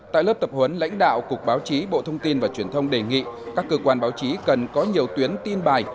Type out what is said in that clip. tại lớp tập huấn lãnh đạo cục báo chí bộ thông tin và truyền thông đề nghị các cơ quan báo chí cần có nhiều tuyến tin bài